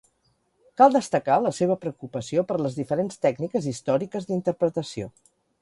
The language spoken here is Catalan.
Cal destacar la seva preocupació per les diferents tècniques històriques d'interpretació.